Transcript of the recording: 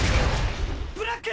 ブラック！！